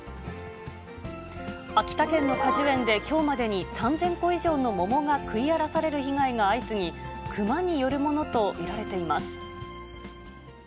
秋田県の果樹園で、きょうまでに３０００個以上の桃が食い荒らされる被害が相次ぎ、クマによるものと見られています。